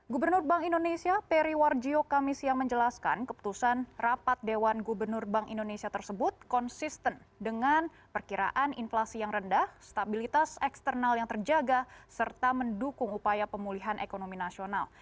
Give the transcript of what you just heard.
gubernur bank indonesia periwarjo kamis yang menjelaskan keputusan rapat dewan gubernur bank indonesia tersebut konsisten dengan perkiraan inflasi yang rendah stabilitas eksternal yang terjaga serta mendukung upaya pemulihan ekonomi nasional